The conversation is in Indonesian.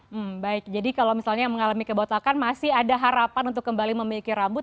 hmm baik jadi kalau misalnya mengalami kebotakan masih ada harapan untuk kembali memiliki rambut